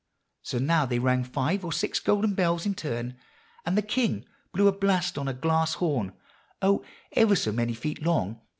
So now they rang five or six golden bells in turn; and the king blew a blast on a glass horn, oh, ever so many feet long!